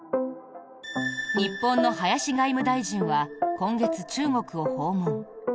日本の林外務大臣は今月、中国を訪問。